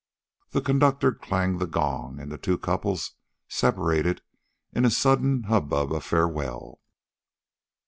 The conductor clanged the gong, and the two couples separated in a sudden hubbub of farewell.